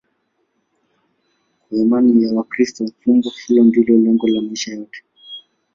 Kwa imani ya Wakristo, fumbo hilo ndilo lengo la maisha yote.